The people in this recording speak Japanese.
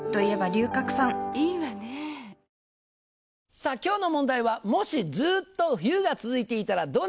さぁ今日の問題は「もしずっと冬が続いていたらどうなるのか」。